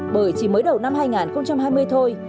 bởi chỉ mới đầu năm hai nghìn hai mươi thôi